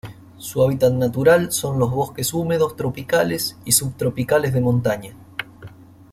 Su hábitat natural son los bosques húmedos tropicales y subtropicales de montaña.